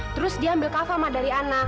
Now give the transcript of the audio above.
terus dia ambil kafa sama dari ana